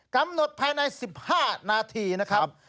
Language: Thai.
กำหนดภายใน๑๕นาทีนะครับ